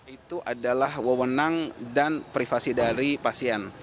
itu adalah wewenang dan privasi dari pasien